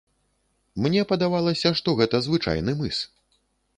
Мне падавалася, што гэта звычайны мыс.